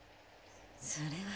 それは。